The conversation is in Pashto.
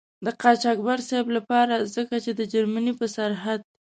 د قاچاقبر صاحب له پاره ځکه چې د جرمني په سرحد.